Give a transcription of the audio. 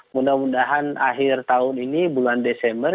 mudah mudahan akhir tahun ini bulan desember